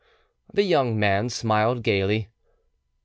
The young man smiled gaily.